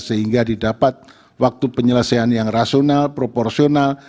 sehingga didapat waktu penyelesaian yang rasional proporsional